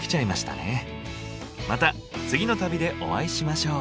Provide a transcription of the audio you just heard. また次の旅でお会いしましょう。